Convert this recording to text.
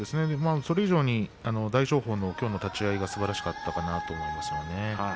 それ以上に大翔鵬のきょうの立ち合いがすばらしかったかなと思いますね。